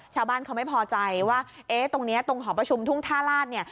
ชาวบ้านเขาไม่พอใจว่าเอ๊ะตรงนี้ตรงหอประชุมทุ่งท่าลาศเนี่ย